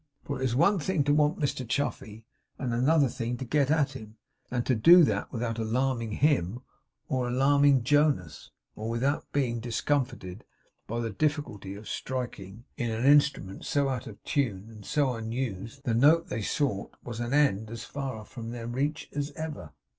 For it was one thing to want Mr Chuffey, and another thing to get at him; and to do that without alarming him, or without alarming Jonas, or without being discomfited by the difficulty of striking, in an instrument so out of tune and so unused, the note they sought, was an end as far from their reach as ever.